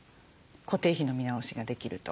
固定費の見直しができると。